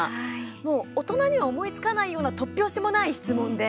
もう大人には思いつかないような突拍子もない質問で